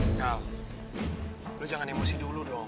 enggak lo jangan emosi dulu dong